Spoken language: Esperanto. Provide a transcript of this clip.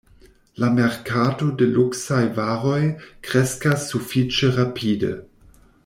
La merkato de luksaj varoj kreskas sufiĉe rapide.